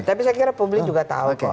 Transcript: tapi saya kira publik juga tahu kok